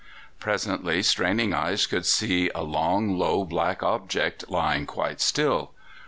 Presently straining eyes could see a long, low, black object lying quite still.